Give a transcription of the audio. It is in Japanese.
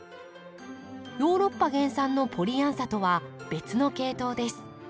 ヨーロッパ原産のポリアンサとは別の系統です。